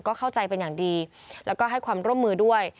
ก็เข้าใจเป็นอย่างดีแล้วก็ให้ความร่วมมือด้วย